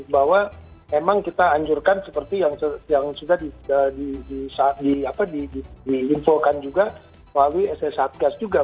bahwa memang kita anjurkan seperti yang sudah diinfokan juga melalui ss satgas juga